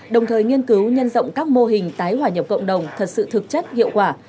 đồng thời nghiên cứu nhân rộng các mô hình tái hòa nhập cộng đồng thật sự thực chất hiệu quả